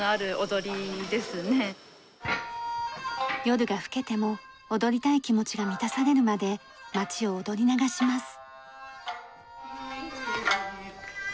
夜が更けても踊りたい気持ちが満たされるまで町を踊り流します。